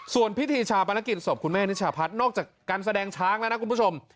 ส่วนพิธีชาปนกิจศพคุณแม่นิชาพัฒน์นอกจากการแสดงช้างแล้วนะคุณผู้ชม